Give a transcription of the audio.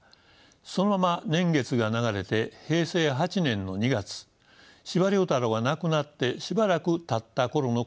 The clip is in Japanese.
そのまま年月が流れて平成８年の２月司馬太郎が亡くなってしばらくたったころのことでした。